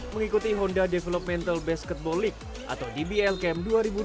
mengikuti honda developmental basketball league atau dbl camp dua ribu dua puluh